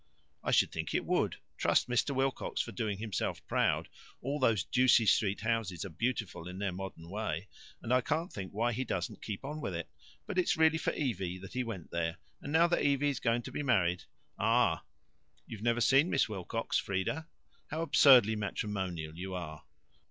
"I should think it would. Trust Mr. Wilcox for doing himself proud. All those Ducie Street houses are beautiful in their modern way, and I can't think why he doesn't keep on with it. But it's really for Evie that he went there, and now that Evie's going to be married " "Ah!" "You've never seen Miss Wilcox, Frieda. How absurdly matrimonial you are!"